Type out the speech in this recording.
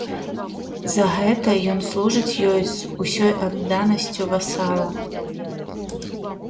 За гэта ён служыць ёй з усёй адданасцю васала.